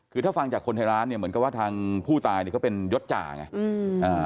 คือถ้าฟังจากคนในร้านเนี่ยเหมือนกับว่าทางผู้ตายเนี่ยเขาเป็นยศจ่าไงอืมอ่า